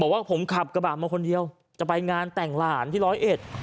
ว่าผมขับกระบะมาคนเดียวจะไปงานแต่งหลานที่ร้อยเอ็ด